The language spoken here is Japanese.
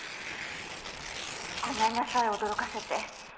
ごめんなさい驚かせて。